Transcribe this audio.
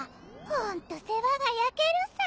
ホント世話が焼けるさ。